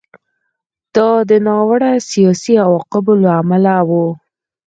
دا د ناوړه سیاسي عواقبو له امله و